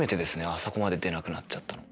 あそこまで出なくなっちゃったの。